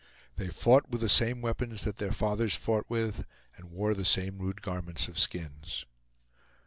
They fought with the same weapons that their fathers fought with and wore the same rude garments of skins.